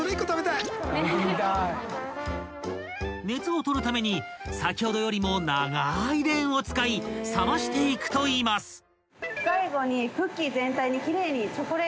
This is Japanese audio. ［熱を取るために先ほどよりも長いレーンを使い冷ましていくといいます］